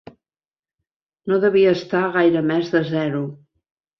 No devia estar a gaire més de zero.